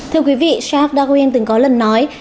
thưa quý vị charles darwin từng có lần nói